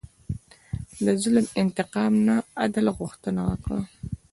د ظلم انتقام نه، عدل غوښتنه وکړه.